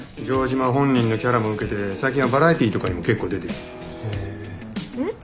城島本人のキャラも受けて最近はバラエティーとかにも結構出てる。